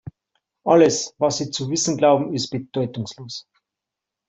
Alles, was Sie zu wissen glauben, ist bedeutungslos.